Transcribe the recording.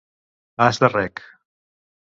Has de rec